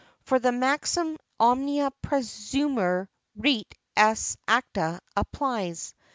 For the maxim omnia presumuntur rite esse acta applies.